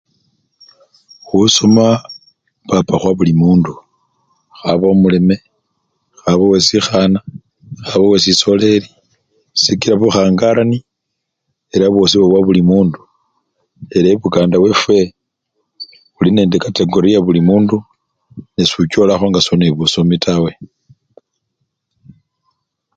Khusoma papa khwabuli mundu, khabe omuleme, khabe wesikhana khabe wesisoreri sikila bukhangarani ela bosi baba bulimundu, ela ebukanda wefwe khuli nende kategori yabuli mundu esichowelakho nga soli nebusomi taa.